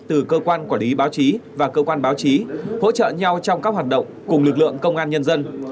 từ cơ quan quản lý báo chí và cơ quan báo chí hỗ trợ nhau trong các hoạt động cùng lực lượng công an nhân dân